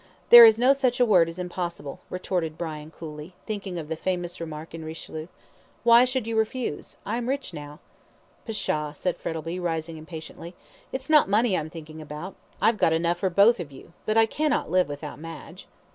"There is no such a word as impossible," retorted Brian, coolly, thinking of the famous remark in RICHELIEU, "Why should you refuse? I am rich now." "Pshaw!" said Frettlby, rising impatiently. "It's not money I'm thinking about I've got enough for both of you; but I cannot live without Madge."